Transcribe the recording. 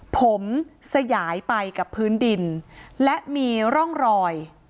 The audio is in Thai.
ผมสยายไปกับพื้นดินและมีร่องรอย